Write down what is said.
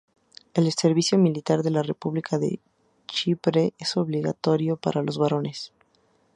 El servicio militar en la República de Chipre es obligatorio para los varones.